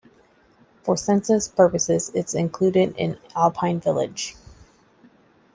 For census purposes, it is included in Alpine Village.